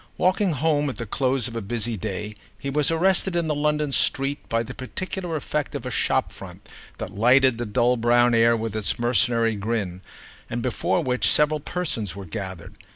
Walking home at the close of a busy day he was arrested in the London street by the particular effect of a shop front that lighted the dull brown air with its mercenary grin and before which several persons were gathered.